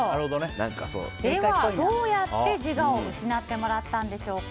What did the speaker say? どうやって自我を失ってもらったんでしょうか。